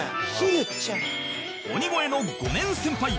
鬼越の５年先輩